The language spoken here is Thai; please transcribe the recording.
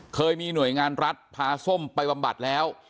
เคยมีหน่วยงานรัฐพาส้มไปบำบัดแล้ว